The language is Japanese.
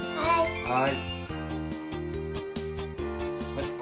はい。